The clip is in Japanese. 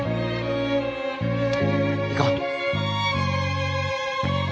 行こう。